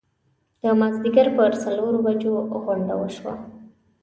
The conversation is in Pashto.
د مازیګر پر څلورو بجو غونډه وشوه.